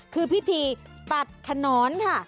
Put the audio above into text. คือพิธีตัดขนอนค่ะ